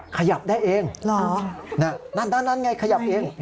ขยับได้เองนั่นไงขยับเอง